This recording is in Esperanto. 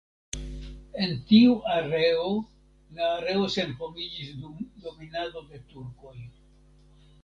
En tiu areo la areo senhomiĝis dum dominado de turkoj.